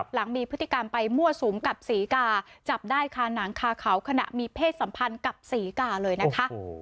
หลังมีพฤติกรรมไปมั่วสุมกับศรีกาจับได้คาหนังคาเขาขณะมีเพศสัมพันธ์กับศรีกาเลยนะคะ